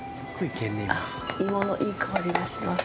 芋のいい香りがします。